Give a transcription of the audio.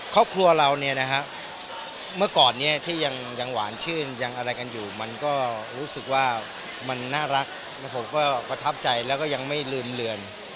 ครอบครัวเราเนี่ยนะฮะเมื่อก่อนนี้ที่ยังหวานชื่นยังอะไรกันอยู่มันก็รู้สึกว่ามันน่ารักแล้วผมก็ประทับใจแล้วก็ยังไม่ลืมเรือน